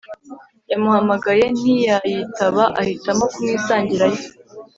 yamuhamagaye ntiyayitaba ahitamo kumwisangirayo